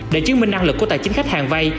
để chứng minh năng lực của tài chính khách hàng vay